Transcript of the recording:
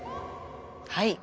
はい。